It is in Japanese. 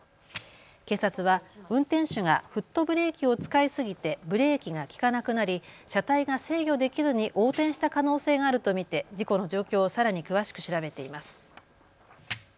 警察は運転手がフットブレーキを使いすぎてブレーキが利かなくなり車体が制御できずに横転した可能性があると見て事故の状況をさらに詳しく調べています。